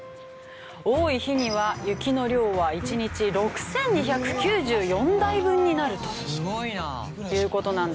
多い日には雪の量は１日６２９４台分になるという事なんです。